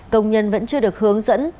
công nhân vẫn chưa được hướng dẫn